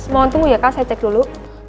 mau nunggu ya kak saya cek dulu